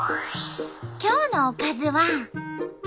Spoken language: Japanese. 今日のおかずは。